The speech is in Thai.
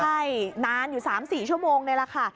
ใช่นานอยู่๓๔ชั่วโมงเลยล่ะค่ะ